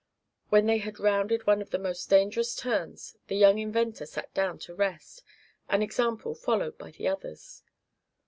When they had rounded one of the most dangerous turns the young inventor sat down to rest, an example followed by the others.